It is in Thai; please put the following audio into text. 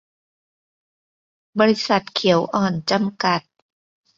บริษัท เขียวอ่อน จำกัด